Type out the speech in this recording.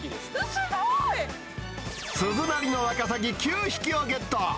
すごい！鈴なりのワカサギ９匹をゲット。